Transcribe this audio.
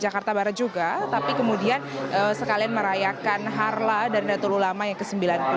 jakarta barat juga tapi kemudian sekalian merayakan harla dan datul ulama yang ke sembilan puluh dua